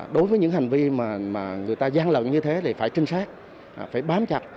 đối với những hành vi mà người ta gian lận như thế thì phải trinh sát phải bám chặt